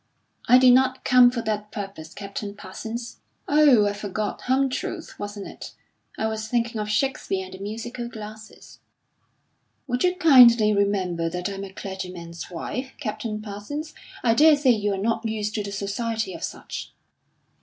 "I did not come for that purpose, Captain Parsons." "Oh, I forgot home truths, wasn't it? I was thinking of Shakespeare and the musical glasses!" "Would you kindly remember that I am a clergyman's wife, Captain Parsons? I daresay you are not used to the society of such."